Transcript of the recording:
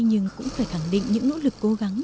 cũng phải thẳng định những nỗ lực cố gắng